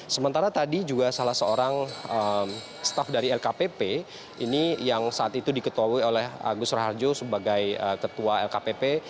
sementara tadi juga salah seorang staff dari lkpp ini yang saat itu diketuai oleh agus raharjo sebagai ketua lkpp